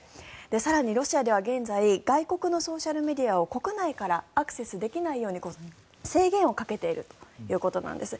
更にロシアでは現在外国のソーシャルメディアに国内からアクセスできないように制限をかけているということなんです。